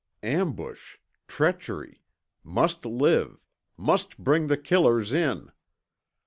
Ambush treachery must live must bring the killers in!